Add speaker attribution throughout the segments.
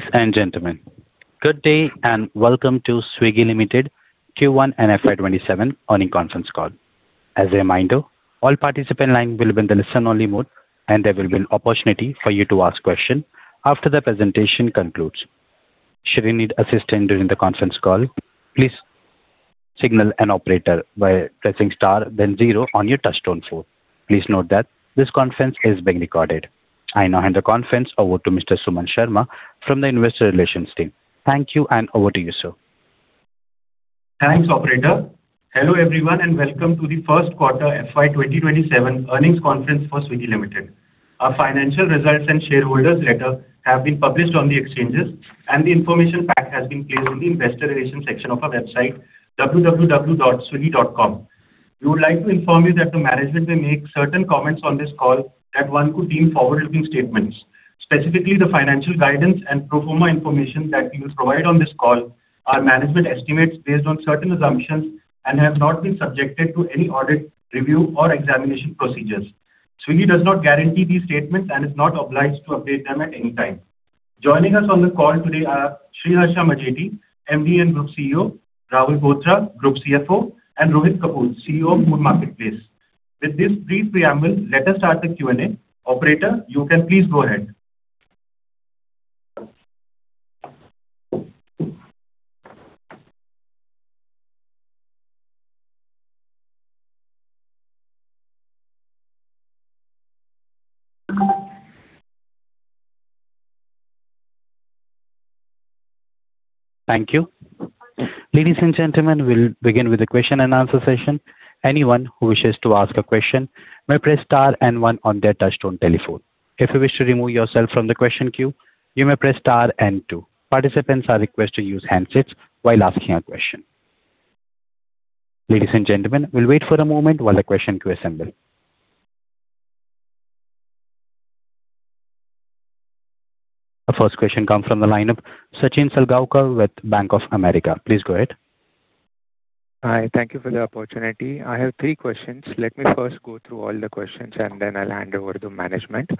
Speaker 1: Ladies and gentlemen, good day and welcome to Swiggy Limited Q1 and FY 2027 earnings conference call. As a reminder, all participant lines will be in the listen-only mode, and there will be an opportunity for you to ask questions after the presentation concludes. Should you need assistance during the conference call, please signal an operator by pressing star then zero on your touch-tone phone. Please note that this conference is being recorded. I now hand the conference over to Mr. Sumant Sharma from the investor relations team. Thank you, and over to you, sir.
Speaker 2: Thanks, operator. Hello, everyone, and welcome to the first quarter FY 2027 earnings conference for Swiggy Limited. Our financial results and shareholders' letter have been published on the exchanges, and the information pack has been placed on the investor relations section of our website, www.swiggy.com. We would like to inform you that the management may make certain comments on this call that one could deem forward-looking statements. Specifically, the financial guidance and pro forma information that we will provide on this call are management estimates based on certain assumptions and have not been subjected to any audit, review, or examination procedures. Swiggy does not guarantee these statements and is not obliged to update them at any time. Joining us on the call today are Sriharsha Majety, MD and Group CEO, Rahul Bothra, Group CFO, and Rohit Kapoor, CEO of Food Marketplace. With this brief preamble, let us start the Q&A. Operator, you can please go ahead.
Speaker 1: Thank you. Ladies and gentlemen, we'll begin with the question-and-answer session. Anyone who wishes to ask a question may press star and one on their touch-tone telephone. If you wish to remove yourself from the question queue, you may press star and two. Participants are requested to use handsets while asking a question. Ladies and gentlemen, we'll wait for a moment while the question queue assembles. The first question comes from the line of Sachin Salgaonkar with Bank of America. Please go ahead.
Speaker 3: Hi. Thank you for the opportunity. I have three questions. Let me first go through all the questions, and then I'll hand over to management.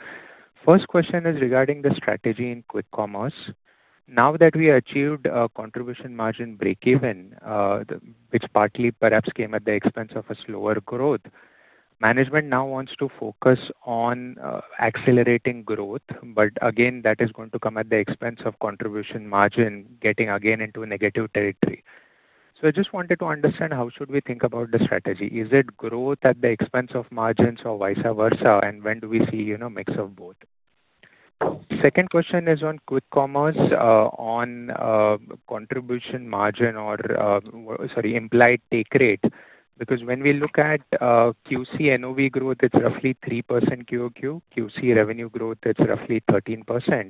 Speaker 3: First question is regarding the strategy in quick commerce. Now that we achieved a contribution margin breakeven, which partly perhaps came at the expense of a slower growth, management now wants to focus on accelerating growth. That is going to come at the expense of contribution margin getting again into a negative territory. I just wanted to understand how should we think about the strategy. Is it growth at the expense of margins or vice versa? When do we see a mix of both? Second question is on quick commerce, on contribution margin or, sorry, implied take rate because when we look at QC NOV growth, it's roughly 3% QoQ, QC revenue growth, it's roughly 13%.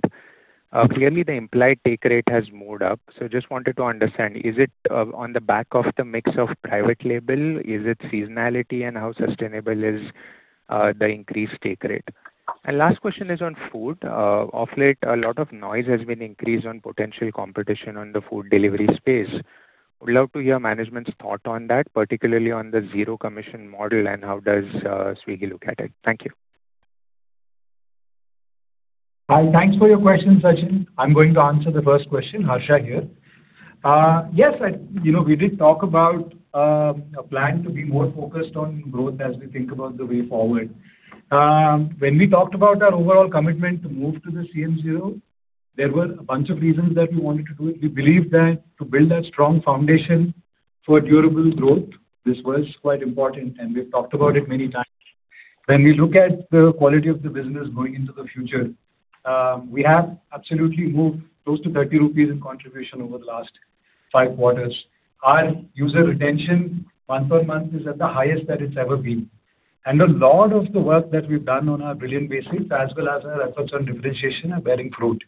Speaker 3: Clearly, the implied take rate has moved up. I just wanted to understand, is it on the back of the mix of private label? Is it seasonality? How sustainable is the increased take rate? Last question is on food. Of late, a lot of noise has been increased on potential competition on the food delivery space. Would love to hear management's thought on that, particularly on the zero commission model and how does Swiggy look at it? Thank you.
Speaker 4: Hi. Thanks for your questions, Sachin. I'm going to answer the first question. Harsha here. Yes, we did talk about a plan to be more focused on growth as we think about the way forward. When we talked about our overall commitment to move to the CM zero, there were a bunch of reasons that we wanted to do it. We believe that to build a strong foundation for durable growth, this was quite important, and we've talked about it many times. When we look at the quality of the business going into the future, we have absolutely moved close to 30 rupees in contribution over the last five quarters. Our user retention month-over-month is at the highest that it's ever been. A lot of the work that we've done on our brilliant basics as well as our efforts on differentiation are bearing fruit.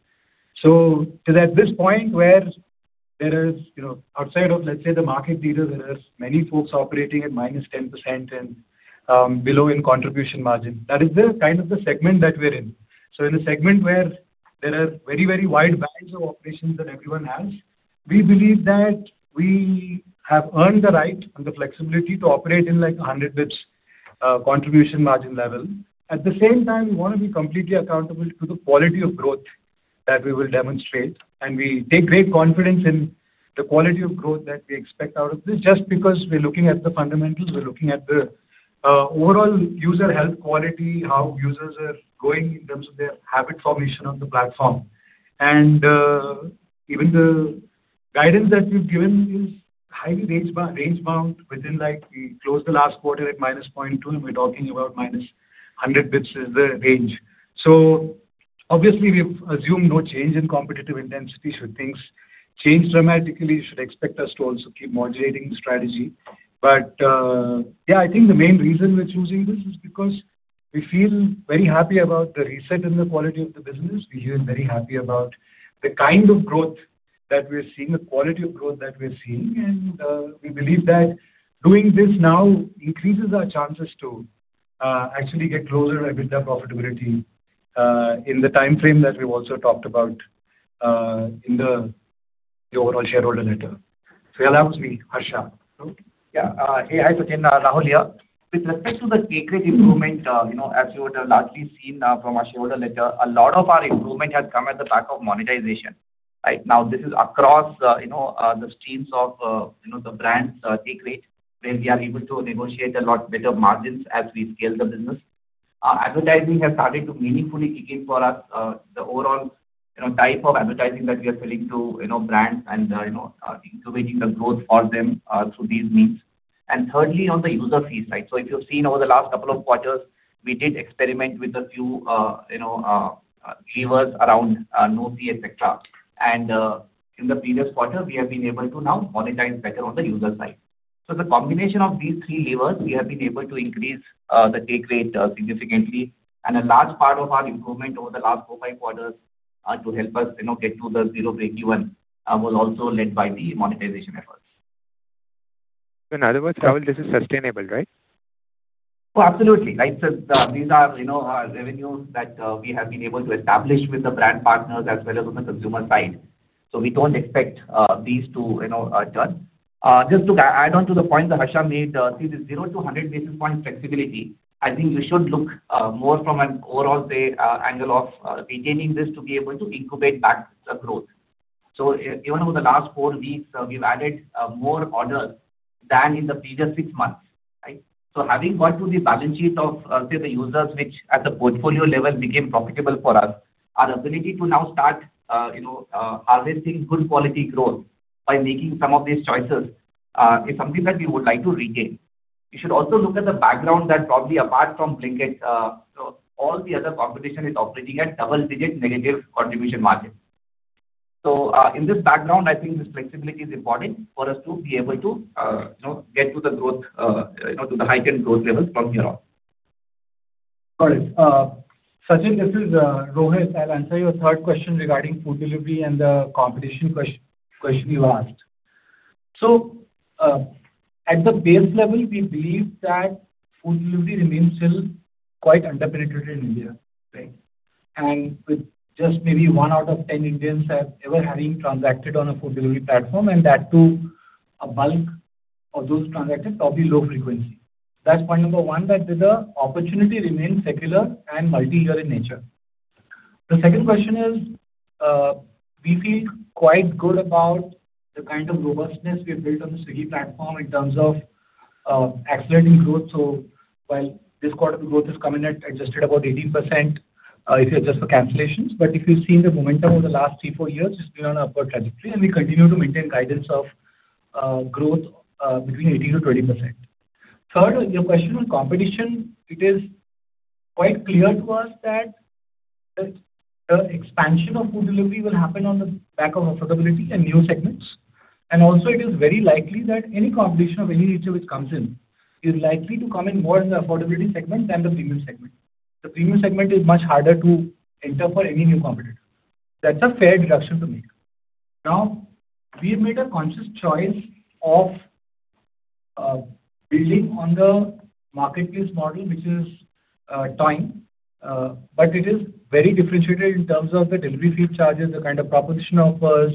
Speaker 4: At this point where there is, outside of, let's say, the market leaders, there are many folks operating at -10% and below in contribution margin. That is the kind of the segment that we're in. In a segment where there are very, very wide bands of operations that everyone has, we believe that we have earned the right and the flexibility to operate in 100 basis points contribution margin level. At the same time, we want to be completely accountable to the quality of growth that we will demonstrate, and we take great confidence in the quality of growth that we expect out of this just because we're looking at the fundamentals, we're looking at the overall user health quality, how users are going in terms of their habit formation of the platform. Even the guidance that we've given is highly range-bound within, like, we closed the last quarter at -0.2%, and we're talking about -100 basis points is the range. Obviously we've assumed no change in competitive intensity should things change dramatically, you should expect us to also keep modulating the strategy. I think the main reason we're choosing this is because we feel very happy about the reset in the quality of the business. We feel very happy about the kind of growth that we're seeing, the quality of growth that we're seeing, and we believe that doing this now increases our chances to actually get closer and build that profitability in the timeframe that we've also talked about in the overall shareholder letter.
Speaker 5: Yeah, that was me, Harsha. Hi, Sachin. Rahul here. With respect to the take rate improvement, as you would have largely seen from our shareholder letter, a lot of our improvement has come at the back of monetization. Right now, this is across the streams of the brands' take rate, where we are able to negotiate a lot better margins as we scale the business. Advertising has started to meaningfully kick in for us, the overall type of advertising that we are selling to brands and incubating the growth for them through these means. Thirdly, on the user fee side. If you've seen over the last couple of quarters, we did experiment with a few levers around no fee, et cetera. In the previous quarter, we have been able to now monetize better on the user side. The combination of these three levers, we have been able to increase the take rate significantly, and a large part of our improvement over the last four, five quarters to help us get to the zero break-even was also led by the monetization efforts.
Speaker 3: In other words, Rahul, this is sustainable, right?
Speaker 5: Oh, absolutely. These are our revenues that we have been able to establish with the brand partners as well as on the consumer side. We don't expect these to turn. Just to add on to the point that Harsha made, see this 0-100 basis points flexibility, I think we should look more from an overall angle of retaining this to be able to incubate back the growth. Even over the last four weeks, we've added more orders than in the previous six months, right? Having got to the balance sheet of the users, which at the portfolio level became profitable for us, our ability to now start harvesting good quality growth by making some of these choices is something that we would like to regain. You should also look at the background that probably apart from Blinkit, all the other competition is operating at double-digit negative contribution margin. In this background, I think this flexibility is important for us to be able to get to the heightened growth levels from hereon.
Speaker 6: Got it. Sachin, this is Rohit. I'll answer your third question regarding food delivery and the competition question you asked. At the base level, we believe that food delivery remains still quite under-penetrated in India, right? And with just maybe one out of 10 Indians have ever having transacted on a food delivery platform, and that too a bulk of those transacted probably low frequency. That's point number one, that the opportunity remains secular and multi-year in nature. The second question is, we feel quite good about the kind of robustness we have built on the Swiggy platform in terms of accelerating growth. While this quarter growth is coming at adjusted about 18%, if you adjust for cancellations. If you've seen the momentum over the last three, four years, it's been on an upward trajectory, and we continue to maintain guidance of growth between 18%-20%. Third, your question on competition, it is quite clear to us that the expansion of food delivery will happen on the back of affordability and new segments. It is very likely that any competition of any nature which comes in, is likely to come in more in the affordability segment than the premium segment. The premium segment is much harder to enter for any new competitor. That's a fair deduction to make. We have made a conscious choice of building on the marketplace model, which is Toing, but it is very differentiated in terms of the delivery fee charges, the kind of proposition offers,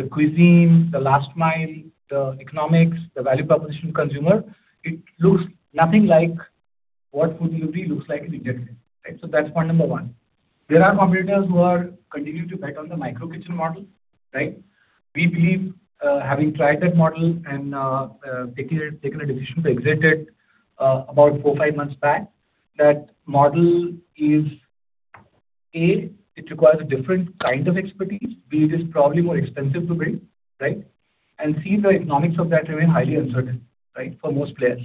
Speaker 6: the cuisine, the last mile, the economics, the value proposition consumer. It looks nothing like what food delivery looks like in India today, right? That's point number one. There are competitors who are continuing to bet on the micro kitchen model, right? We believe, having tried that model and taken a decision to exit it about four, five months back, that model is, A, it requires a different kind of expertise. B, it is probably more expensive to build, right? C, the economics of that remain highly uncertain, right, for most players.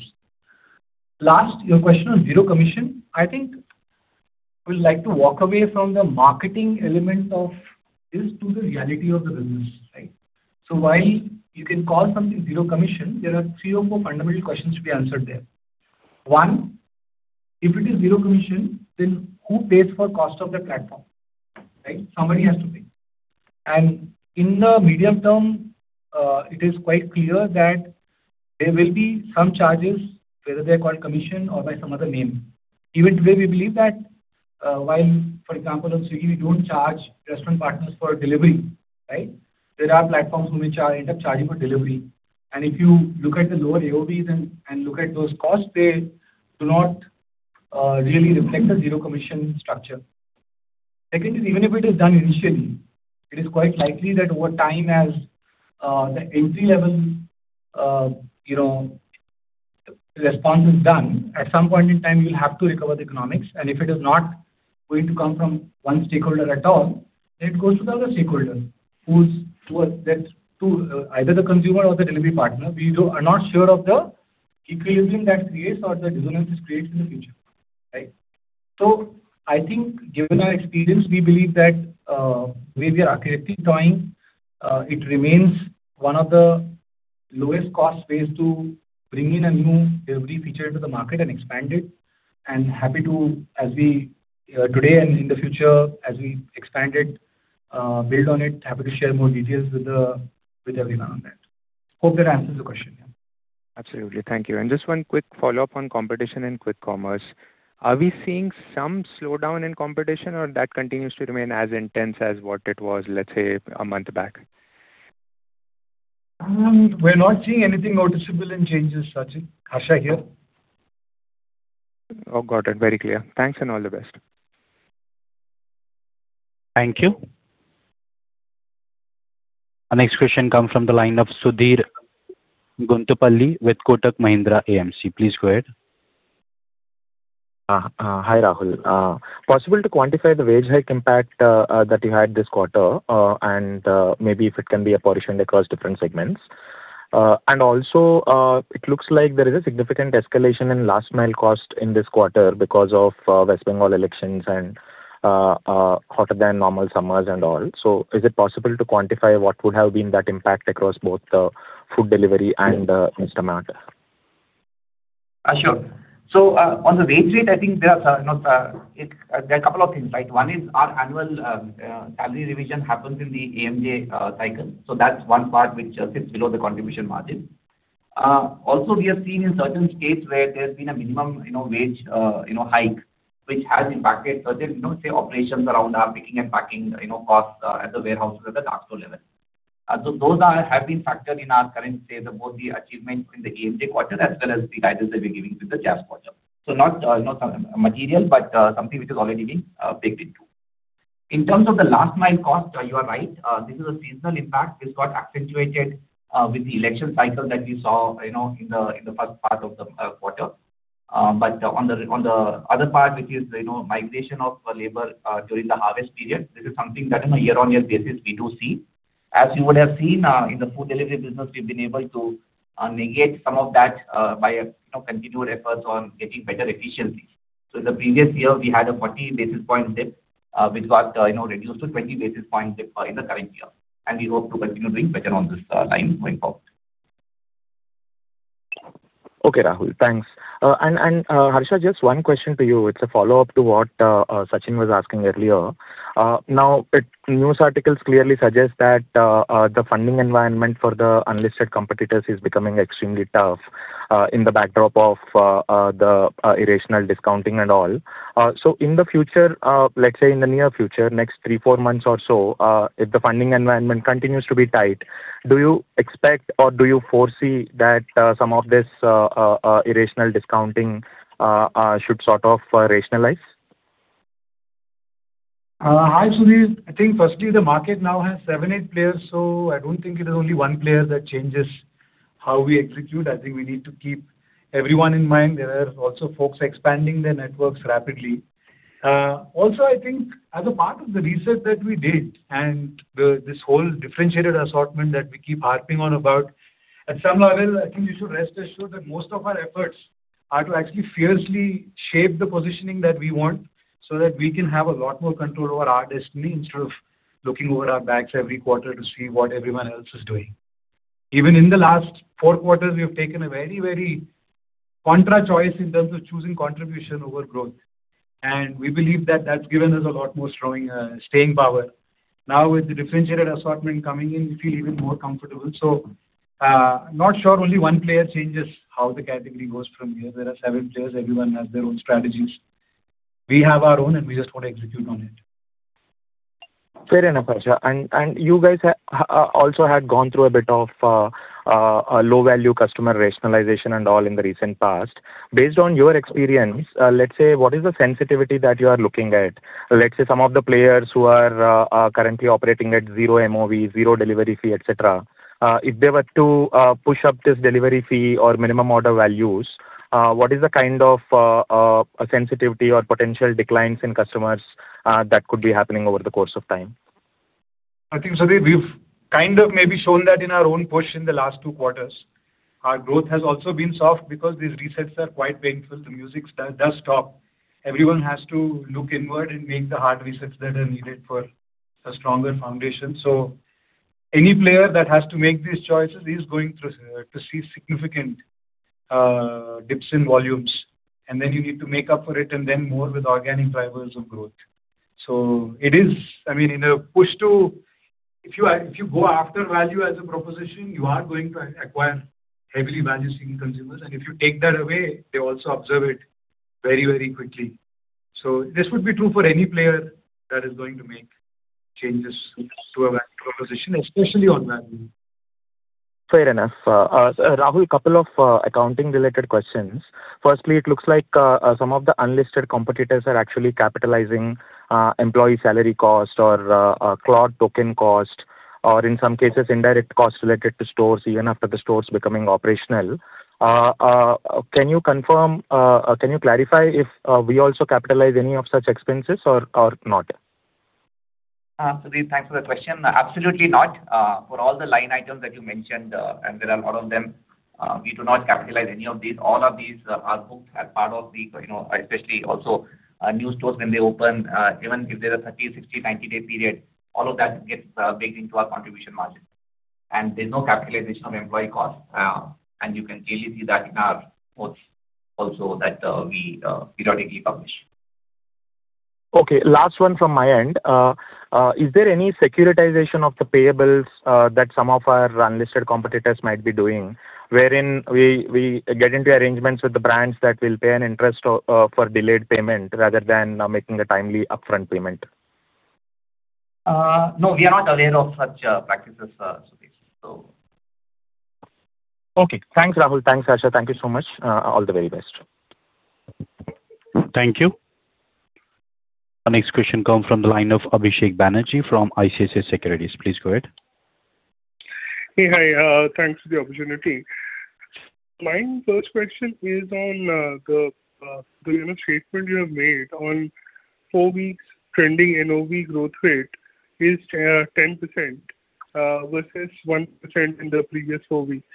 Speaker 6: Last, your question on zero commission, I think we'll like to walk away from the marketing element of this to the reality of the business, right? While you can call something zero commission, there are three or four fundamental questions to be answered there. One, if it is zero commission, then who pays for cost of the platform, right? Somebody has to pay. In the medium term, it is quite clear that there will be some charges, whether they're called commission or by some other name. Even today, we believe that while, for example, on Swiggy, we don't charge restaurant partners for delivery, right? There are platforms which end up charging for delivery. If you look at the lower AOV and look at those costs, they do not really reflect a zero commission structure. Secondly, even if it is done initially, it is quite likely that over time as the entry-level response is done, at some point in time, you'll have to recover the economics, and if it is not going to come from one stakeholder at all, then it goes to the other stakeholder, either the consumer or the delivery partner. We are not sure of the equilibrium that creates or the dissonance it creates in the future, right? I think given our experience, we believe that the way we are currently Toing, it remains one of the lowest cost ways to bring in a new delivery feature to the market and expand it, and happy to as we-- today and in the future, as we expand it, build on it, happy to share more details with everyone on that. Hope that answers the question.
Speaker 3: Absolutely. Thank you. Just one quick follow-up on competition and quick commerce. Are we seeing some slowdown in competition or that continues to remain as intense as what it was, let's say, a month back?
Speaker 4: We're not seeing anything noticeable in changes, Sachin. Harsha here.
Speaker 3: Got it. Very clear. Thanks and all the best.
Speaker 1: Thank you. Our next question comes from the line of Sudheer Guntupalli with Kotak Mahindra AMC. Please go ahead.
Speaker 7: Hi, Rahul. Is it possible to quantify the wage hike impact that you had this quarter, and maybe if it can be apportioned across different segments? Also, it looks like there is a significant escalation in last mile cost in this quarter because of West Bengal elections and hotter than normal summers and all. Is it possible to quantify what would have been that impact across both the food delivery and Instamart?
Speaker 5: Sure. On the wage rate, there are a couple of things. One is our annual salary revision happens in the AMJ cycle, that's one part which sits below the contribution margin. Also, we have seen in certain states where there's been a minimum wage hike, which has impacted certain, say, operations around our picking and packing costs at the warehouse or at the dark store level. Those have been factored in our current, say, the both the achievements in the AMJ quarter as well as the guidance that we're giving for the JAS quarter. Not material, but something which is already being baked into. In terms of the last mile cost, you are right. This is a seasonal impact, which got accentuated with the election cycle that we saw in the first part of the quarter. On the other part, which is migration of labor during the harvest period, this is something that on a year-on-year basis we do see. As you would have seen in the food delivery business, we've been able to negate some of that by continued efforts on getting better efficiency. In the previous year, we had a 40 basis point dip, which got reduced to 20 basis point dip in the current year, and we hope to continue doing better on this going forward.
Speaker 7: Okay, Rahul. Thanks. Harsha, just one question to you. It's a follow-up to what Sachin was asking earlier. Now, news articles clearly suggest that the funding environment for the unlisted competitors is becoming extremely tough in the backdrop of the irrational discounting and all. In the future, let's say in the near future, next three, four months or so, if the funding environment continues to be tight, do you expect or do you foresee that some of this irrational discounting should sort of rationalize?
Speaker 4: Hi, Sudheer. I think firstly, the market now has seven, eight players. I don't think it is only one player that changes how we execute. I think we need to keep everyone in mind. There are lots of folks expanding their networks rapidly. Also, I think as a part of the reset that we did and this whole differentiated assortment that we keep harping on about, at some level, I think you should rest assured that most of our efforts are to actually fiercely shape the positioning that we want so that we can have a lot more control over our destiny instead of looking over our backs every quarter to see what everyone else is doing. Even in the last four quarters, we have taken a very contra choice in terms of choosing contribution over growth, and we believe that's given us a lot more staying power. Now with the differentiated assortment coming in, we feel even more comfortable. Not sure only one player changes how the category goes from here. There are seven players. Everyone has their own strategies. We have our own and we just want to execute on it.
Speaker 7: Fair enough, Harsha. You guys also had gone through a bit of a low-value customer rationalization and all in the recent past. Based on your experience, let's say, what is the sensitivity that you are looking at? Let's say some of the players who are currently operating at zero MOV, zero delivery fee, et cetera. If they were to push up this delivery fee or minimum order values, what is the kind of sensitivity or potential declines in customers that could be happening over the course of time?
Speaker 4: I think, Sudheer, we've kind of maybe shown that in our own push in the last two quarters. Our growth has also been soft because these resets are quite painful. The music does stop. Everyone has to look inward and make the hard resets that are needed for a stronger foundation. Any player that has to make these choices is going to see significant dips in volumes, and then you need to make up for it, and then more with organic drivers of growth. If you go after value as a proposition, you are going to acquire heavily value-seeking consumers, and if you take that away, they also observe it very quickly. This would be true for any player that is going to make changes to a value proposition, especially on value.
Speaker 7: Fair enough. Rahul, a couple of accounting-related questions. Firstly, it looks like some of the unlisted competitors are actually capitalizing employee salary cost or accrued token cost, or in some cases, indirect costs related to stores even after the stores becoming operational. Can you clarify if we also capitalize any of such expenses or not?
Speaker 5: Sudheer, thanks for the question. Absolutely not. For all the line items that you mentioned, and there are a lot of them, we do not capitalize any of these. All of these are booked as part of the-- especially also new stores when they open, even if there are 30, 60, 90-day period, all of that gets baked into our contribution margin. There's no capitalization of employee costs. You can usually see that in our quotes also that we periodically publish.
Speaker 7: Okay, last one from my end. Is there any securitization of the payables that some of our unlisted competitors might be doing, wherein we get into arrangements with the brands that will pay an interest for delayed payment rather than making a timely upfront payment?
Speaker 5: No, we are not aware of such practices.
Speaker 7: Okay. Thanks, Rahul. Thanks, Harsha. Thank you so much. All the very best.
Speaker 1: Thank you. Our next question come from the line of Abhisek Banerjee from ICICI Securities. Please go ahead.
Speaker 8: Hey. Hi. Thanks for the opportunity. My first question is on the statement you have made on four weeks trending AOV growth rate is 10% versus 1% in the previous four weeks.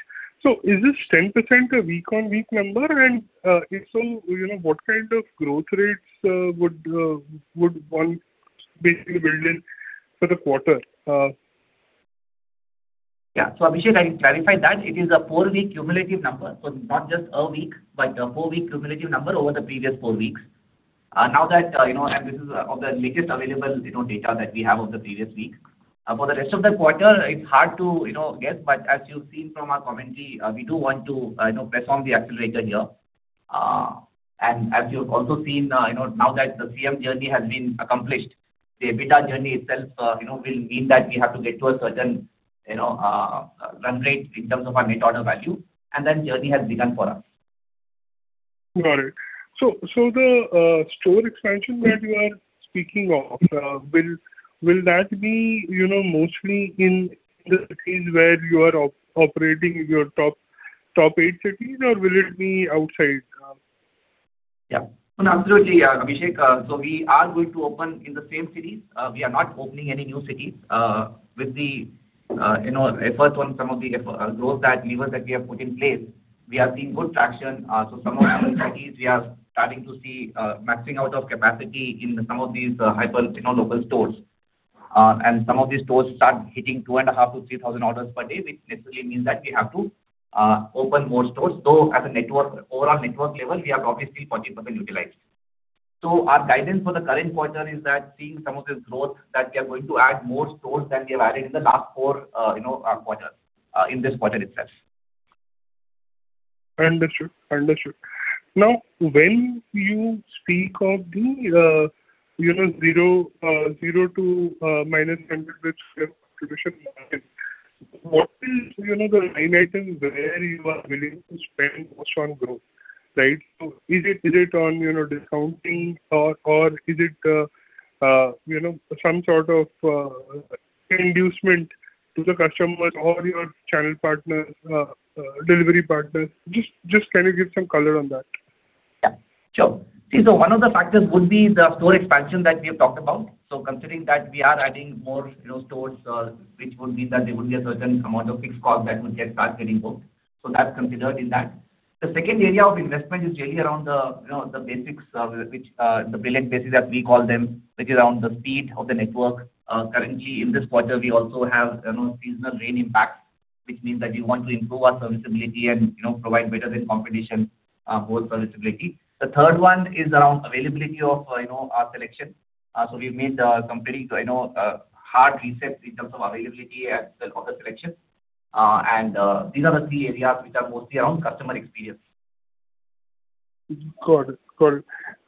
Speaker 8: Is this 10% a week-on-week number? If so, what kind of growth rates would one basically build in for the quarter?
Speaker 5: Yeah. Abhisek, I clarify that it is a four-week cumulative number. Not just a week, but a four-week cumulative number over the previous four weeks. This is of the latest available data that we have of the previous week. For the rest of the quarter, it’s hard to guess, but as you’ve seen from our commentary, we do want to press on the accelerator here. As you’ve also seen, now that the CM journey has been accomplished, the EBITDA journey itself will mean that we have to get to a certain run rate in terms of our net order value, and that journey has begun for us.
Speaker 8: Got it. The store expansion that you are speaking of, will that be mostly in the cities where you are operating your top eight cities, or will it be outside?
Speaker 5: Yeah. Absolutely, Abhisek. We are going to open in the same cities. We are not opening any new cities. With the efforts on some of the growth levers that we have put in place, we are seeing good traction. Some of our cities, we are starting to see maxing out of capacity in some of these hyper local stores. And some of these stores start hitting two and a half to 3,000 orders per day, which necessarily means that we have to open more stores. Though as an overall network level, we are obviously 40% utilized. Our guidance for the current quarter is that seeing some of this growth, that we are going to add more stores than we have added in the last four quarters, in this quarter itself.
Speaker 8: Understood. Now, when you speak of the 0 to -100 basis points, what is the line item where you are willing to spend most on growth? Is it on discounting, or is it some sort of inducement to the customers or your channel partners, delivery partners? Just can you give some color on that?
Speaker 5: Yeah, sure. See, one of the factors would be the store expansion that we have talked about. Considering that we are adding more stores, which would mean that there would be a certain amount of fixed cost that would get start getting booked. That’s considered in that. The second area of investment is really around the basics, the brilliant basics that we call them, which is around the speed of the network. Currently in this quarter, we also have seasonal rain impact, which means that we want to improve our serviceability and provide better than competition, both serviceability. The third one is around availability of our selection. We’ve made a completely hard reset in terms of availability as well of the selection. These are the three areas which are mostly around customer experience.
Speaker 8: Got it.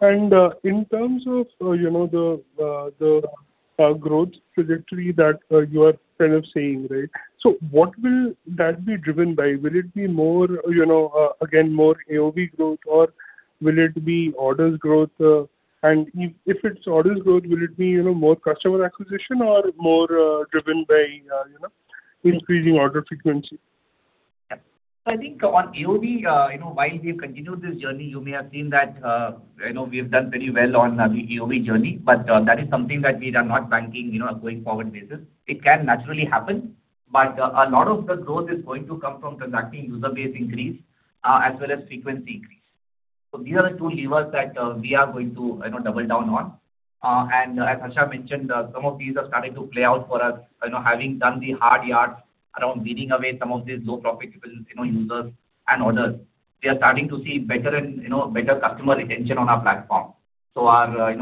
Speaker 8: In terms of the growth trajectory that you are saying, what will that be driven by? Will it be, again, more AOV growth, or will it be orders growth? If it’s orders growth, will it be more customer acquisition or more driven by increasing order frequency?
Speaker 5: I think on AOV, while we’ve continued this journey, you may have seen that we have done very well on the AOV journey, that is something that we are not banking on going forward basis. It can naturally happen, a lot of the growth is going to come from transacting user base increase as well as frequency increase. These are the two levers that we are going to double down on. As Harsha mentioned, some of these are starting to play out for us. Having done the hard yards around weeding away some of these low profitable users and orders, we are starting to see better customer retention on our platform. Our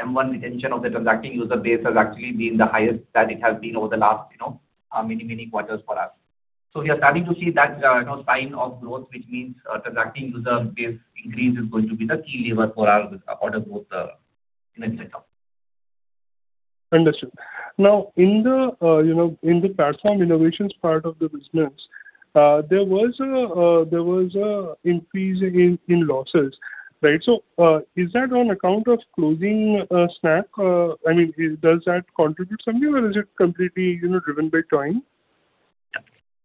Speaker 5: M1 retention of the transacting user base has actually been the highest that it has been over the last many, many quarters for us. We are starting to see that sign of growth, which means transacting user base increase is going to be the key lever for our order growth in itself.
Speaker 8: Understood. Now in the platform innovations part of the business, there was an increase in losses. Is that on account of closing Snacc? Does that contribute something, or is it completely driven by Toing?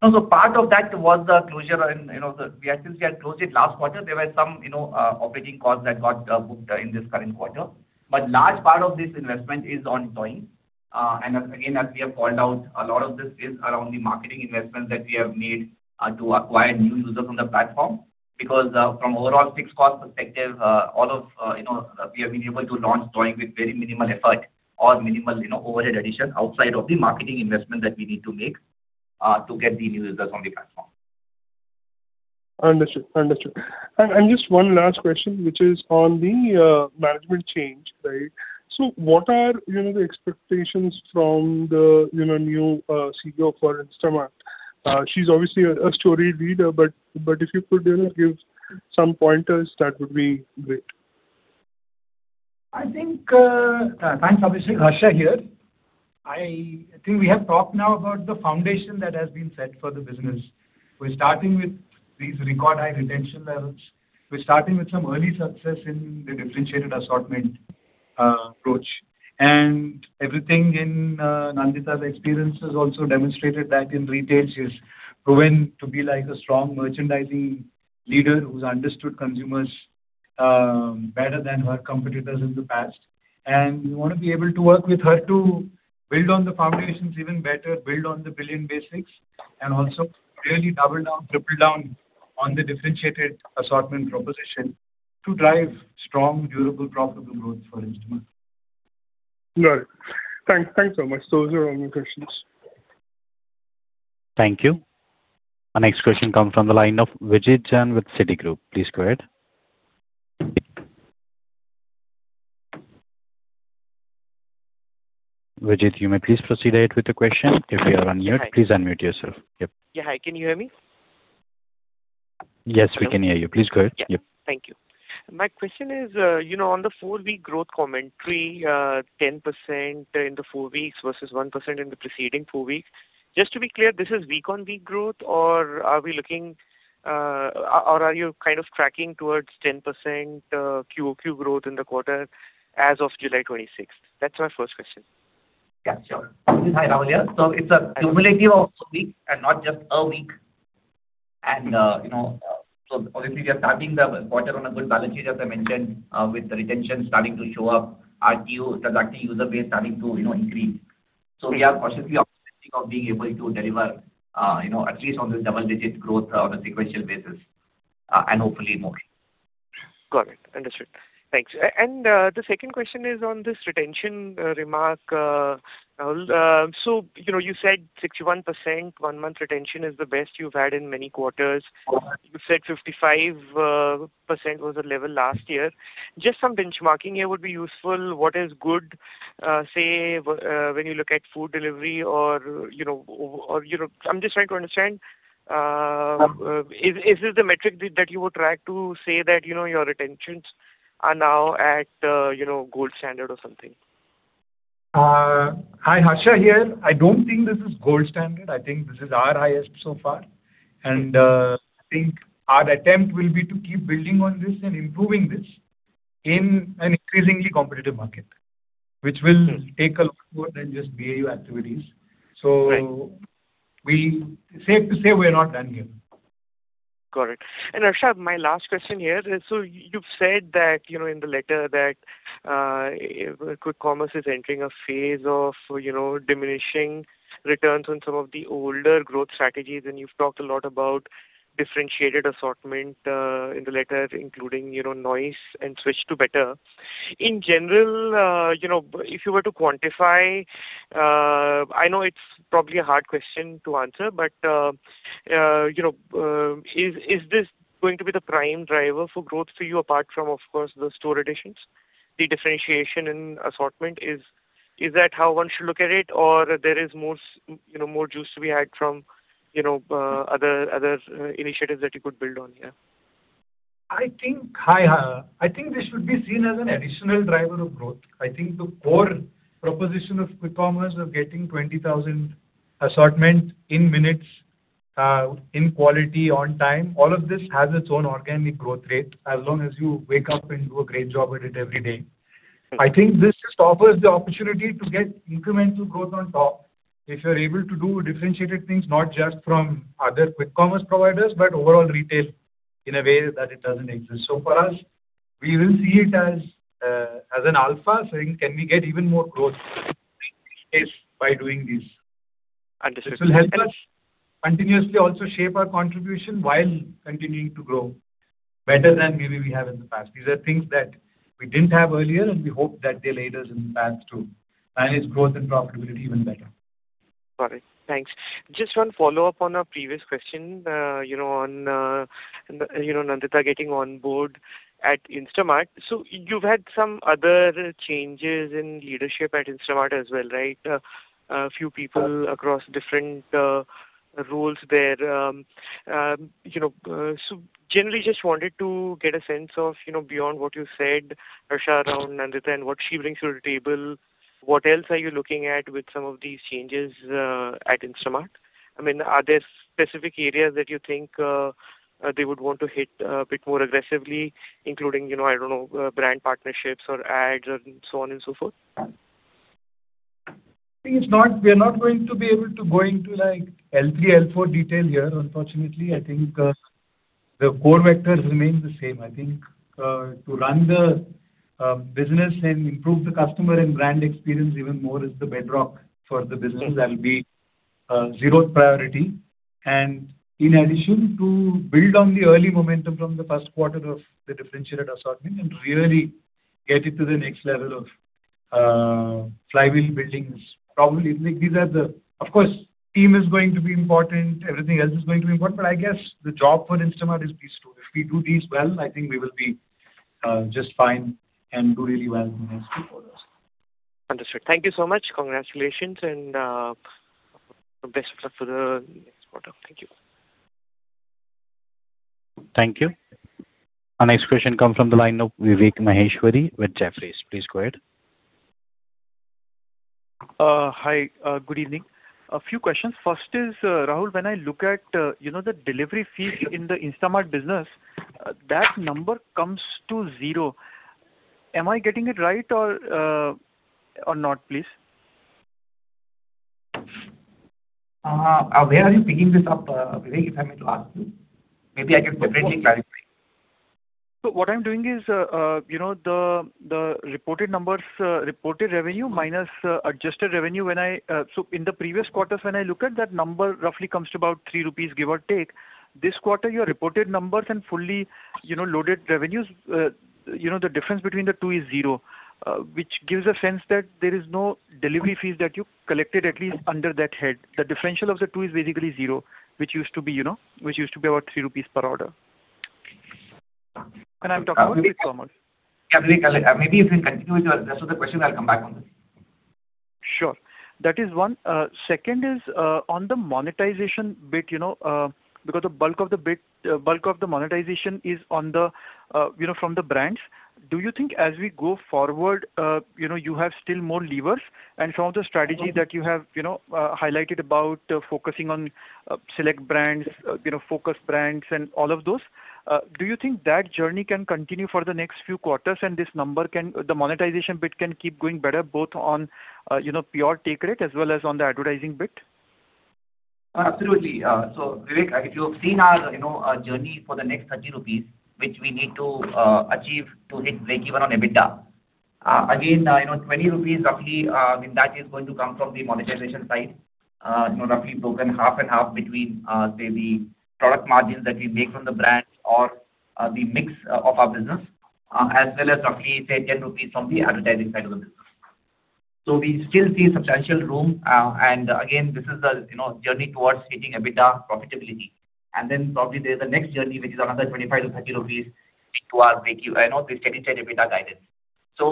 Speaker 5: No. Part of that was the closure. Since we had closed it last quarter, there were some operating costs that got booked in this current quarter. Large part of this investment is on Toing. Again, as we have called out, a lot of this is around the marketing investment that we have made to acquire new users on the platform. From overall fixed cost perspective, we have been able to launch Toing with very minimal effort or minimal overhead addition outside of the marketing investment that we need to make to get the new users on the platform.
Speaker 8: Understood. Just one last question, which is on the management change. What are the expectations from the new CEO for Instamart? She's obviously a storied leader, but if you could give some pointers, that would be great.
Speaker 4: Thanks. Obviously, Harsha here. I think we have talked now about the foundation that has been set for the business. We're starting with these record high retention levels. We're starting with some early success in the differentiated assortment approach and everything in Nandita's experience has also demonstrated that in retail, she's proven to be a strong merchandising leader who's understood consumers better than her competitors in the past. We want to be able to work with her to build on the foundations even better, build on the brilliant basics, and also really double down, triple down on the differentiated assortment proposition to drive strong, durable, profitable growth for Instamart.
Speaker 8: Got it. Thanks so much. Those are all my questions.
Speaker 1: Thank you. Our next question comes from the line of Vijit Jain with Citigroup. Please go ahead. Vijit, you may please proceed with your question. If you are on mute, please unmute yourself. Yep.
Speaker 9: Yeah. Hi, can you hear me?
Speaker 1: Yes, we can hear you. Please go ahead.
Speaker 9: Yeah. Thank you. My question is on the four-week growth commentary, 10% in the four weeks versus 1% in the preceding four weeks. Just to be clear, this is week-on-week growth or are you tracking towards 10% QoQ growth in the quarter as of July 26th? That's my first question.
Speaker 5: Hi, Rahul here. It's a cumulative of week and not just a week, obviously we are starting the quarter on a good balance sheet, as I mentioned, with the retention starting to show up, RTO, the returning user base starting to increase. We are cautiously optimistic of being able to deliver at least on this double-digit growth on a sequential basis, and hopefully more.
Speaker 9: Got it. Understood. Thanks. The second question is on this retention remark. Rahul, you said 61% one-month retention is the best you've had in many quarters. You said 55% was the level last year. Just some benchmarking here would be useful. What is good, say, when you look at food delivery or I'm just trying to understand. Is this the metric that you would track to say that your retentions are now at gold standard or something?
Speaker 4: Hi. Harsha here. I don't think this is gold standard. I think this is our highest so far, our attempt will be to keep building on this and improving this in an increasingly competitive market. Which will take a lot more than just BAU activities.
Speaker 9: Right.
Speaker 4: Safe to say we're not done here.
Speaker 9: Got it. Harsha, my last question here. You've said that in the letter that quick commerce is entering a phase of diminishing returns on some of the older growth strategies, and you've talked a lot about differentiated assortment, in the letter, including Noice and Switch to Better. In general, if you were to quantify, I know it's probably a hard question to answer, but is this going to be the prime driver for growth for you, apart from, of course, the store additions, the differentiation in assortment? Is that how one should look at it or there is more juice to be had from other initiatives that you could build on here?
Speaker 4: Hi. I think this should be seen as an additional driver of growth. I think the core proposition of quick commerce of getting 20,000 assortment in minutes, in quality, on time, all of this has its own organic growth rate as long as you wake up and do a great job with it every day. I think this just offers the opportunity to get incremental growth on top. If you're able to do differentiated things, not just from other quick commerce providers, but overall retail in a way that it doesn't exist. For us, we will see it as an alpha saying, can we get even more growth case by doing this?
Speaker 9: Understood.
Speaker 4: This will help us continuously also shape our contribution while continuing to grow better than maybe we have in the past. These are things that we didn't have earlier, and we hope that they laid us in the path to manage growth and profitability even better.
Speaker 9: Got it. Thanks. Just one follow-up on a previous question on Nandita getting on board at Instamart. You've had some other changes in leadership at Instamart as well, right? A few people across different roles there. Generally just wanted to get a sense of, beyond what you said, Harsha, around Nandita and what she brings to the table. What else are you looking at with some of these changes at Instamart? I mean, are there specific areas that you think they would want to hit a bit more aggressively, including, I don't know, brand partnerships or ads and so on and so forth?
Speaker 4: I think we're not going to be able to go into L3, L4 detail here, unfortunately. I think the core vectors remain the same. I think to run the business and improve the customer and brand experience even more is the bedrock for the business. That'll be zeroth priority. In addition, to build on the early momentum from the first quarter of the differentiated assortment and really get it to the next level of flywheel buildings. Of course, team is going to be important, everything else is going to be important, but I guess the job for Instamart is these two. If we do these well, I think we will be just fine and do really well in the next few quarters.
Speaker 9: Understood. Thank you so much. Congratulations and best of luck for the next quarter. Thank you.
Speaker 1: Thank you. Our next question comes from the line of Vivek Maheshwari with Jefferies. Please go ahead.
Speaker 10: Hi. Good evening. A few questions. First is, Rahul, when I look at the delivery fee in the Instamart business, that number comes to zero. Am I getting it right or not, please?
Speaker 5: Where are you picking this up, Vivek, if I may ask you? Maybe I can separately clarify.
Speaker 10: What I'm doing is, the reported revenue minus adjusted revenue. In the previous quarters when I look at that number, roughly comes to about 3 rupees, give or take. This quarter, your reported numbers and fully loaded revenues, the difference between the two is zero, which gives a sense that there is no delivery fees that you collected, at least under that head. The differential of the two is basically zero, which used to be about 3 rupees per order. I'm talking about quick commerce.
Speaker 5: Vivek, maybe if you continue with rest of the question, I'll come back on this.
Speaker 10: Sure. That is one. Second is on the monetization bit, because the bulk of the monetization is from the brands. Do you think as we go forward, you have still more levers? Some of the strategies that you have highlighted about focusing on select brands, focus brands and all of those, do you think that journey can continue for the next few quarters and the monetization bit can keep going better both on pure take rate as well as on the advertising bit?
Speaker 5: Absolutely. Vivek, if you have seen our journey for the next 30 rupees, which we need to achieve to hit breakeven on EBITDA. Again, 20 rupees roughly, that is going to come from the monetization side, roughly broken half and half between, say, the product margins that we make from the brands or the mix of our business, as well as roughly, say 10 rupees from the advertising side of the business. We still see substantial room, and again, this is a journey towards hitting EBITDA profitability. Then probably there’s a next journey, which is another 25-30 rupees to our breakeven. I know we've set a steady EBITDA guidance.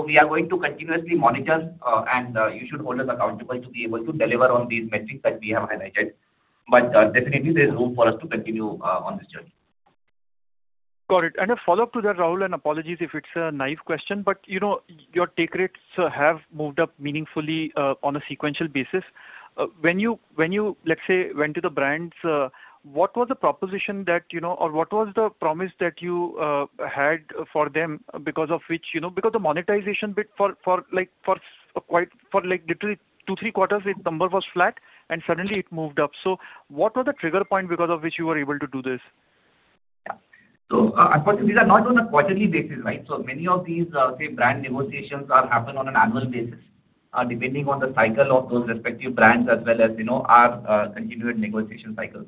Speaker 5: We are going to continuously monitor, and you should hold us accountable to be able to deliver on these metrics that we have highlighted. Definitely there's room for us to continue on this journey.
Speaker 10: Got it. A follow-up to that, Rahul, and apologies if it’s a naive question, but your take rates have moved up meaningfully on a sequential basis. When you, let’s say, went to the brands, what was the proposition or what was the promise that you had for them? Because the monetization bit for literally two, three quarters its number was flat, and suddenly it moved up. What was the trigger point because of which you were able to do this?
Speaker 5: Firstly, these are not on a quarterly basis, right? Many of these, say brand negotiations happen on an annual basis, depending on the cycle of those respective brands as well as our continuing negotiation cycles.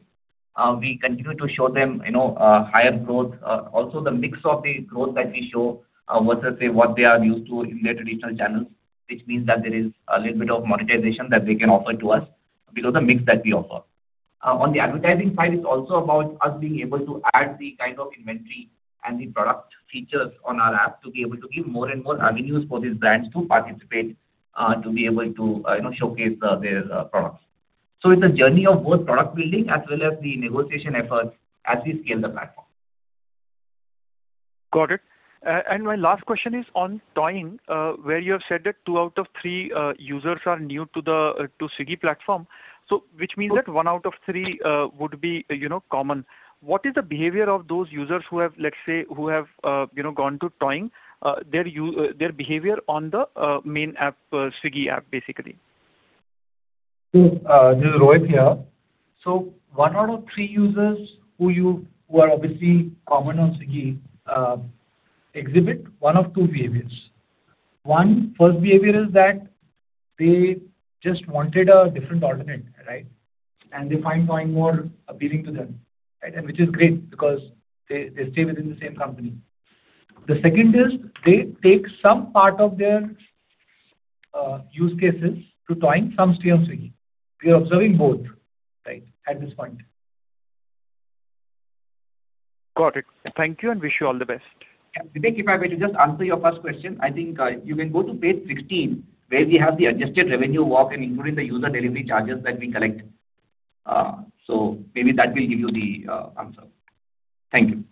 Speaker 5: We continue to show them higher growth. Also the mix of the growth that we show versus what they are used to in their traditional channels, which means that there is a little bit of monetization that they can offer to us because of the mix that we offer. On the advertising side, it's also about us being able to add the kind of inventory and the product features on our app to be able to give more and more avenues for these brands to participate, to be able to showcase their products. It's a journey of both product building as well as the negotiation efforts as we scale the platform.
Speaker 10: Got it. My last question is on Toing, where you have said that two out of three users are new to Swiggy platform. Which means that one out of three would be common. What is the behavior of those users who have gone to Toing, their behavior on the main Swiggy app, basically?
Speaker 6: This is Rohit here. One out of three users who are obviously common on Swiggy exhibit one of two behaviors. One, first behavior is that they just wanted a different alternate. They find Toing more appealing to them, and which is great because they stay within the same company. The second is they take some part of their use cases to Toing, some stay on Swiggy. We are observing both at this point.
Speaker 10: Got it. Thank you, and wish you all the best.
Speaker 5: Vivek, if I were to just answer your first question, I think you can go to page 16 where we have the adjusted revenue walk and including the user delivery charges that we collect. Maybe that will give you the answer. Thank you.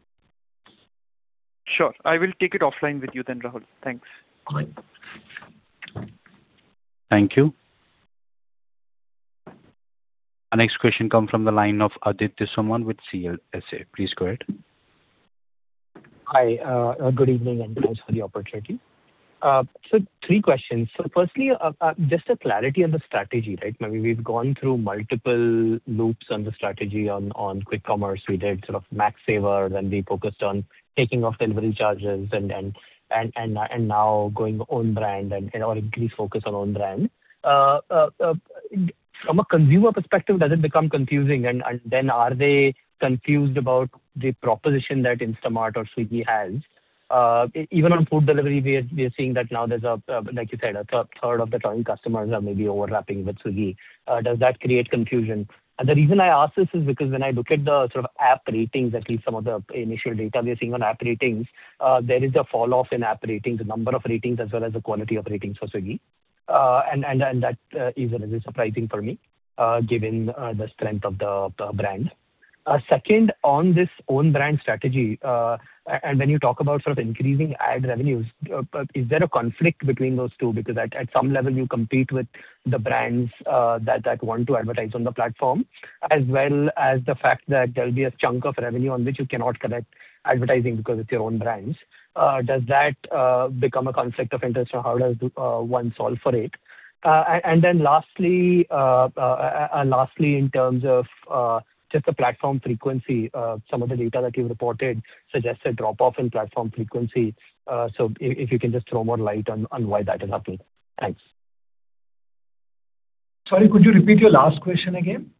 Speaker 10: Sure. I will take it offline with you then, Rahul. Thanks.
Speaker 5: Got it.
Speaker 1: Thank you. Our next question comes from the line of Aditya Soman with CLSA. Please go ahead.
Speaker 11: Hi. Good evening, and thanks for the opportunity. Three questions. Firstly, just a clarity on the strategy, right? Maybe we've gone through multiple loops on the strategy on quick commerce. We did sort of Maxxsaver, then we focused on taking off delivery charges, and now going own brand and/or increase focus on own brand. From a consumer perspective, does it become confusing, and then are they confused about the proposition that Instamart or Swiggy has? Even on food delivery, we are seeing that now there's a, like you said, a third of the Toing customers are maybe overlapping with Swiggy. Does that create confusion? The reason I ask this is because when I look at the sort of app ratings, at least some of the initial data we are seeing on app ratings, there is a fall off in app ratings, number of ratings, as well as the quality of ratings for Swiggy. That is a surprising for me, given the strength of the brand. Second, on this own brand strategy, and when you talk about sort of increasing ad revenues, is there a conflict between those two? Because at some level you compete with the brands that want to advertise on the platform, as well as the fact that there'll be a chunk of revenue on which you cannot collect advertising because it's your own brands. Does that become a conflict of interest, or how does one solve for it? Lastly, in terms of just the platform frequency, some of the data that you've reported suggests a drop-off in platform frequency. If you can just throw more light on why that is happening. Thanks.
Speaker 4: Sorry, could you repeat your last question again?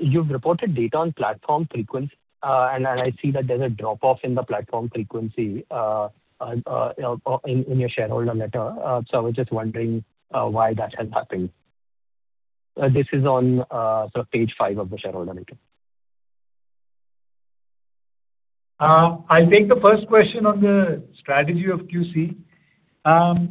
Speaker 11: You've reported data on platform frequency, and I see that there's a drop-off in the platform frequency in your shareholder letter. I was just wondering why that has happened. This is on page five of the shareholder letter.
Speaker 4: I'll take the first question on the strategy of QC.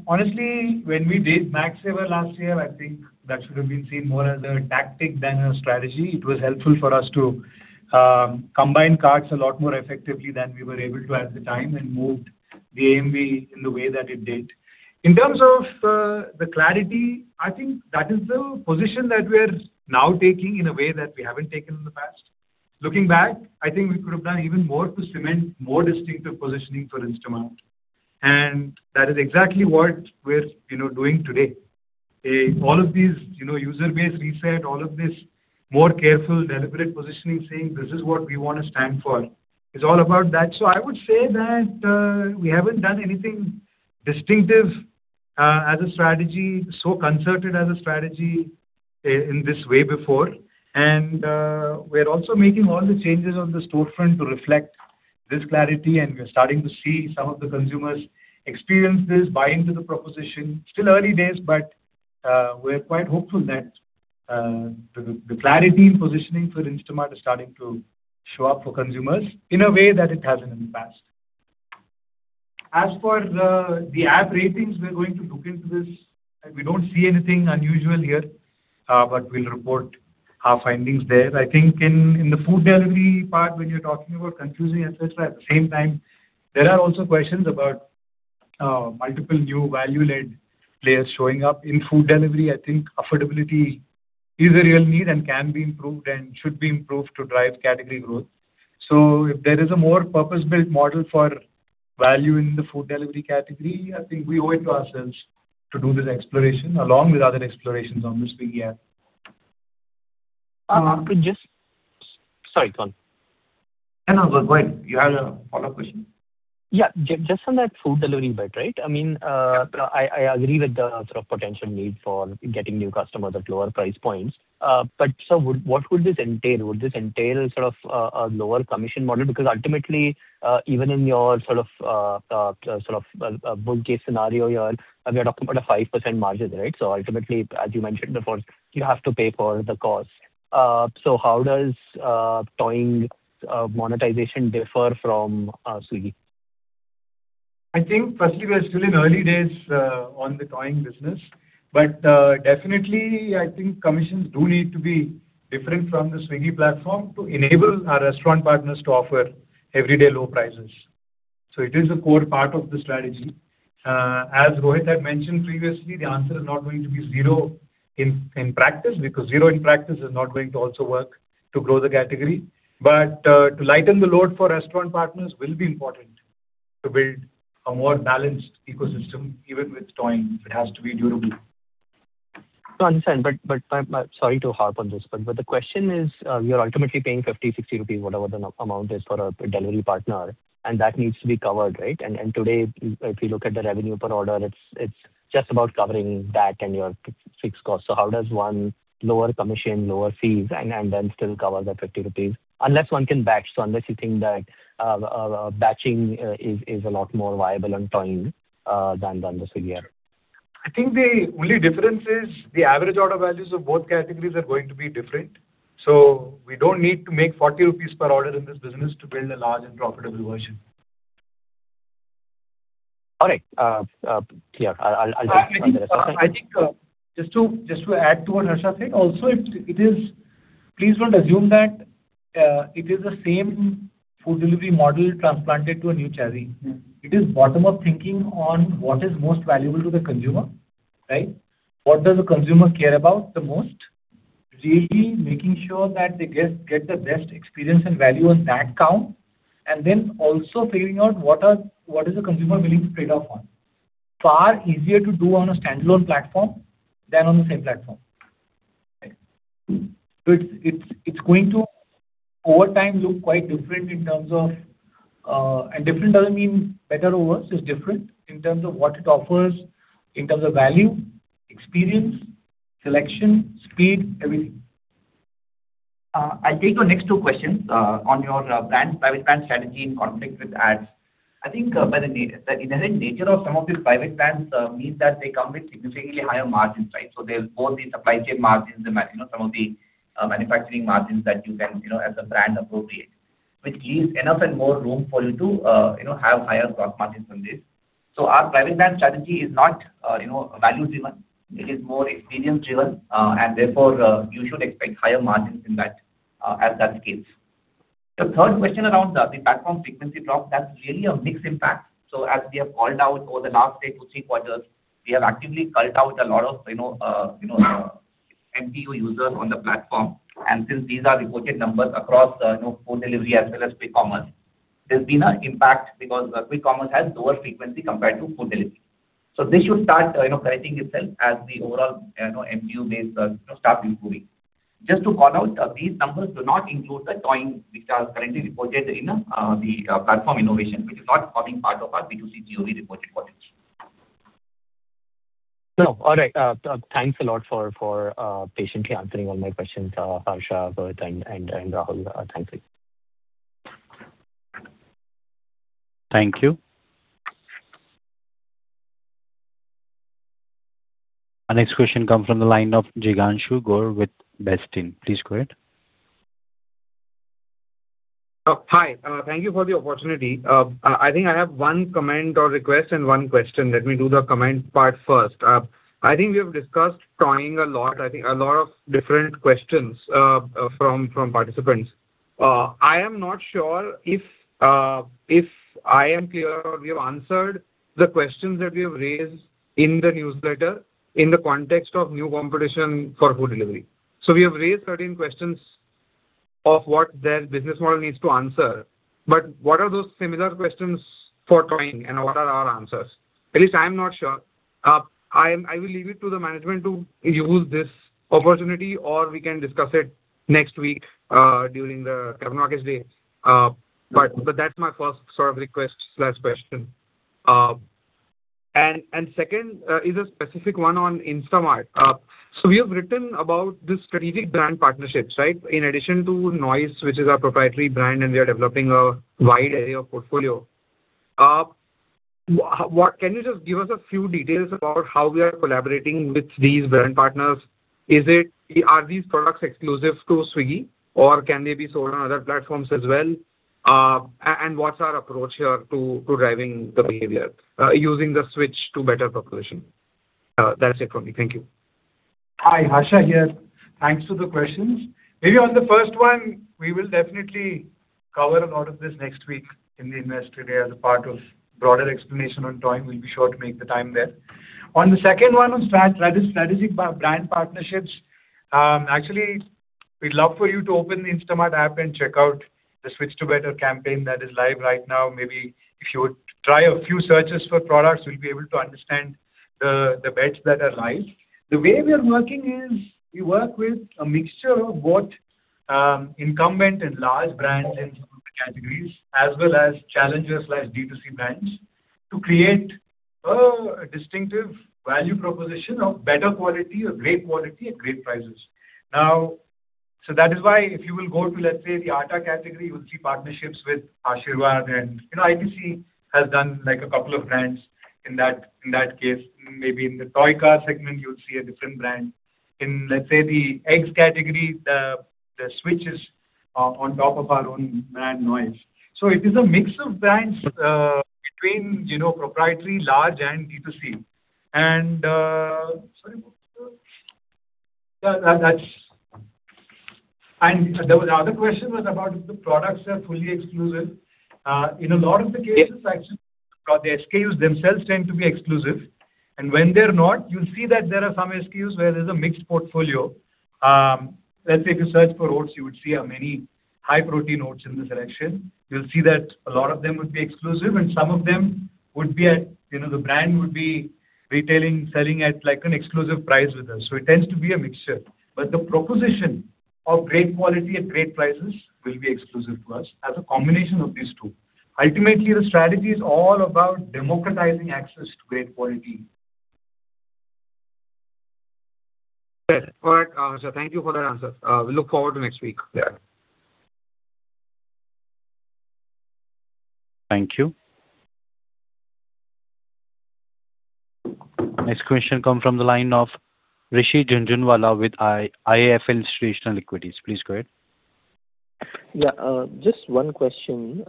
Speaker 4: Honestly, when we did Maxxsaver last year, I think that should have been seen more as a tactic than a strategy. It was helpful for us to combine carts a lot more effectively than we were able to at the time and moved the AOV in the way that it did. In terms of the clarity, I think that is the position that we're now taking in a way that we haven't taken in the past. Looking back, I think we could have done even more to cement more distinctive positioning for Instamart. That is exactly what we're doing today. All of these user base reset, all of this more careful, deliberate positioning, saying, "This is what we want to stand for," is all about that. I would say that we haven't done anything distinctive as a strategy, concerted as a strategy in this way before. We're also making all the changes on the storefront to reflect this clarity, and we're starting to see some of the consumers experience this, buy into the proposition. Still early days, but we're quite hopeful that the clarity in positioning for Instamart is starting to show up for consumers in a way that it hasn't in the past. As for the app ratings, we're going to look into this. We don't see anything unusual yet, but we'll report our findings there. I think in the food delivery part, when you're talking about confusing, et cetera, at the same time, there are also questions about multiple new value-led players showing up in food delivery. I think affordability is a real need and can be improved and should be improved to drive category growth. If there is a more purpose-built model for value in the food delivery category, I think we owe it to ourselves to do this exploration along with other explorations on the Swiggy app.
Speaker 11: Sorry, go on.
Speaker 4: No, go ahead. You had a follow-up question?
Speaker 11: Just on that food delivery bit. I agree with the sort of potential need for getting new customers at lower price points. What would this entail? Would this entail sort of a lower commission model? Ultimately, even in your sort of a bull case scenario, we are talking about a 5% margin. Ultimately, as you mentioned before, you have to pay for the cost. How does Toing monetization differ from Swiggy?
Speaker 4: I think firstly, we are still in early days on the Toing business, definitely, I think commissions do need to be different from the Swiggy platform to enable our restaurant partners to offer everyday low prices. It is a core part of the strategy. As Rohit had mentioned previously, the answer is not going to be zero in practice, because zero in practice is not going to also work to grow the category. To lighten the load for restaurant partners will be important to build a more balanced ecosystem, even with Toing, it has to be durable.
Speaker 11: No, I understand. Sorry to harp on this, the question is, you're ultimately paying 50, 60 rupees, whatever the amount is for a delivery partner, and that needs to be covered. Today, if you look at the revenue per order, it's just about covering that and your fixed cost. How does one lower commission, lower fees, and then still cover the 50 rupees? Unless one can batch, unless you think that batching is a lot more viable on Toing than the Swiggy app.
Speaker 4: I think the only difference is the average order values of both categories are going to be different. We don't need to make 40 rupees per order in this business to build a large and profitable version.
Speaker 11: All right. Clear.
Speaker 6: I think just to add to what Harsha said, also please don't assume that it is the same food delivery model transplanted to a new chassis. It is bottom-up thinking on what is most valuable to the consumer. What does the consumer care about the most? Really making sure that they get the best experience and value on that count, then also figuring out what is the consumer willing to trade off on. Far easier to do on a standalone platform than on the same platform. It's going to, over time, look quite different in terms of. Different doesn't mean better or worse. It's different in terms of what it offers, in terms of value, experience, selection, speed, everything.
Speaker 5: I'll take your next two questions on your private brand strategy in conflict with ads. I think by the inherent nature of some of these private brands means that they come with significantly higher margins. There's both the supply chain margins and some of the manufacturing margins that you can, as a brand appropriate, which gives enough and more room for you to have higher gross margins from this. Our private brand strategy is not value-driven, it is more experience-driven, and therefore, you should expect higher margins as that scales. The third question around the platform frequency drop, that's really a mixed impact. As we have called out over the last two, three quarters, we have actively culled out a lot of MTU users on the platform. Since these are reported numbers across food delivery as well as Quick Commerce, there's been an impact because Quick Commerce has lower frequency compared to food delivery. This should start correcting itself as the overall MTU base starts improving. Just to call out, these numbers do not include the Toing, which are currently reported in the platform innovation, which is not forming part of our B2C GOV reported numbers.
Speaker 11: No. All right. Thanks a lot for patiently answering all my questions, Harsha, Rohit, and Rahul. Thanks.
Speaker 1: Thank you. Our next question comes from the line of Jignanshu Gor with Bernstein. Please go ahead.
Speaker 12: Hi. Thank you for the opportunity. I have one comment or request and one question. Let me do the comment part first. We have discussed Toing a lot. A lot of different questions from participants. I am not sure if I am clear or we have answered the questions that we have raised in the newsletter in the context of new competition for food delivery. We have raised certain questions of what their business model needs to answer, but what are those similar questions for Toing and what are our answers? At least I'm not sure. I will leave it to the management to use this opportunity, or we can discuss it next week during the earnings deck. That's my first sort of request/question. Second is a specific one on Instamart. We have written about this strategic brand partnerships. In addition to Noice, which is our proprietary brand, we are developing a wide array of portfolio. Can you just give us a few details about how we are collaborating with these brand partners? Are these products exclusive to Swiggy or can they be sold on other platforms as well? What's our approach here to driving the behavior using the Switch to Better proposition? That's it for me. Thank you.
Speaker 4: Hi, Harsha here. Thanks for the questions. Maybe on the first one, we will definitely cover a lot of this next week in the Investor Day as a part of broader explanation on Toing, we will be sure to make the time there. On the second one on strategic brand partnerships, actually, we would love for you to open the Instamart app and check out the Switch to Better campaign that is live right now. Maybe if you would try a few searches for products, you will be able to understand the bets that are live. The way we are working is we work with a mixture of both incumbent and large brands in some of the categories, as well as challengers like D2C brands to create a distinctive value proposition of better quality or great quality at great prices. That is why if you will go to, let's say, the atta category, you will see partnerships with Aashirvaad and ITC has done a couple of brands in that case. Maybe in the toy car segment, you will see a different brand. In, let's say, the eggs category, the switch is on top of our own brand, Noice. It is a mix of brands between proprietary, large, and D2C. The other question was about if the products are fully exclusive. In a lot of the cases, actually, the SKUs themselves tend to be exclusive. When they are not, you will see that there are some SKUs where there is a mixed portfolio. Let's say if you search for oats, you would see how many high-protein oats in the selection. You will see that a lot of them would be exclusive, and some of them the brand would be retailing, selling at an exclusive price with us. It tends to be a mixture. The proposition of great quality at great prices will be exclusive to us as a combination of these two. Ultimately, the strategy is all about democratizing access to great quality.
Speaker 12: Good. All right, Harsha, thank you for that answer. We look forward to next week.
Speaker 4: Yeah.
Speaker 1: Thank you. Next question come from the line of Rishi Jhunjhunwala with IIFL Institutional Equities. Please go ahead.
Speaker 13: Yeah. Just one question.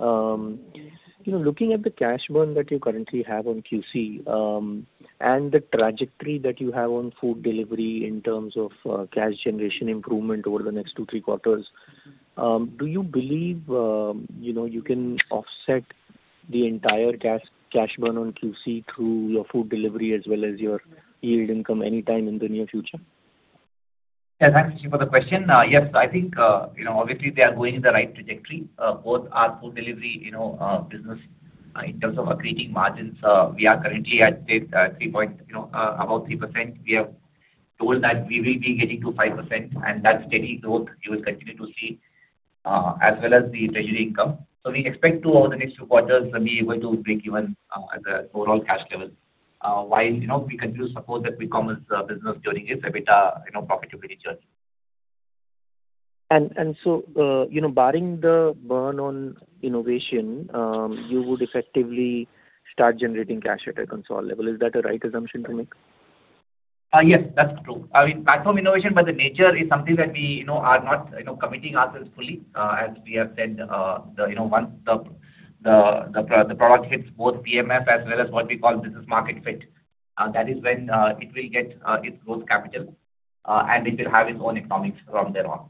Speaker 13: Looking at the cash burn that you currently have on QC and the trajectory that you have on food delivery in terms of cash generation improvement over the next two, three quarters, do you believe you can offset the entire cash burn on QC through your food delivery as well as your yield income anytime in the near future?
Speaker 5: Yeah. Thanks, Rishi, for the question. Yes, I think, obviously, they are going in the right trajectory both our food delivery business in terms of accreting margins. We are currently at about 3%. We have told that we will be getting to 5%, and that steady growth you will continue to see, as well as the treasury income. We expect to, over the next two quarters, be able to break even at the overall cash level, while we continue to support the Quick Commerce business during its EBITDA profitability journey.
Speaker 13: Barring the burn on innovation, you would effectively start generating cash at a consolidated level. Is that a right assumption to make?
Speaker 5: Yes, that's true. Platform innovation by the nature is something that we are not committing ourselves fully. As we have said, once the product hits both PMF as well as what we call business market fit, that is when it will get its growth capital, and it will have its own economics from there on.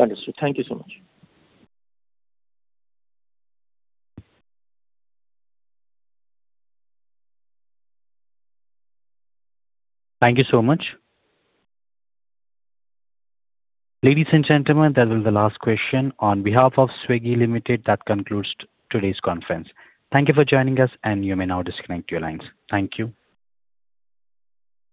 Speaker 13: Understood. Thank you so much.
Speaker 1: Thank you so much. Ladies and gentlemen, that was the last question. On behalf of Swiggy Limited, that concludes today's conference. Thank you for joining us, and you may now disconnect your lines. Thank you.